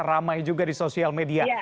ramai juga di sosial media